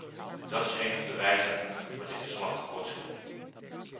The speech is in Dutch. Dat is een van de wijzen waarin dit verslag tekortschiet.